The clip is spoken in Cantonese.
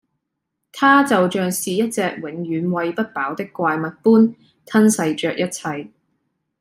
它就像是一隻永遠餵不飽的怪物般吞噬著一切